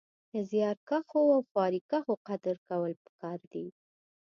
د زيارکښو او خواريکښو قدر کول پکار دی